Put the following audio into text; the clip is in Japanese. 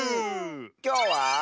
きょうは。